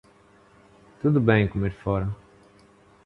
Tudo bem comer fora.